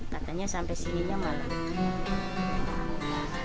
katanya sampai sininya malam